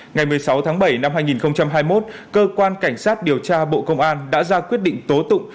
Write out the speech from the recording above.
ngày một mươi sáu tháng bảy năm hai nghìn hai mươi một cơ quan cảnh sát điều tra bộ công an đã ra quyết định tố tụng